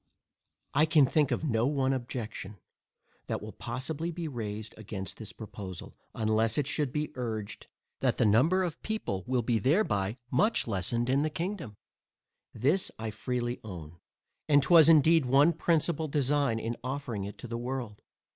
I can think of no one objection, that will possibly be raised against this proposal, unless it should be urged, that the number of people will be thereby much lessened in the kingdom. This I freely own, and was indeed one principal design in offering it to the world.